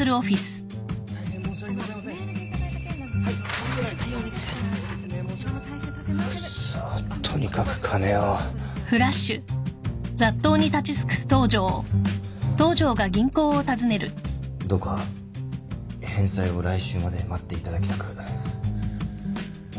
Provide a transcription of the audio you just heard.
どうか返済を来週まで待っていただきたく。